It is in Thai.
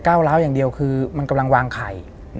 ล้าวอย่างเดียวคือมันกำลังวางไข่